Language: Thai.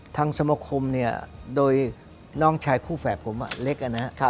ทางสมคมเนี่ยโดยน้องชายคู่แฝวกมอะเล็กอะนะ